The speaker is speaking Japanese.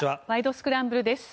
スクランブル」です。